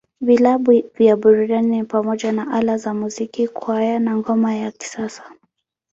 Vilabu vya burudani ni pamoja na Ala za Muziki, Kwaya, na Ngoma ya Kisasa.